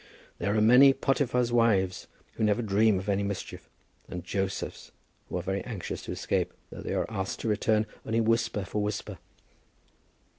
There are many Potiphar's wives who never dream of any mischief, and Josephs who are very anxious to escape, though they are asked to return only whisper for whisper.